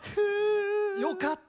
よかった！